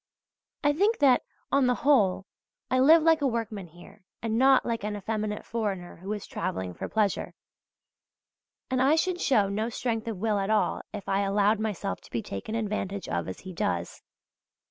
I think that, on the whole, I live like a workman here and not like an effeminate foreigner who is travelling for pleasure; and I should show no strength of will at all if I allowed myself to be taken advantage of as he does.